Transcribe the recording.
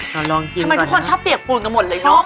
ลองกินทำไมทุกคนชอบเปียกปูนกันหมดเลยเนอะ